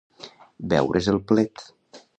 Veure's el plet.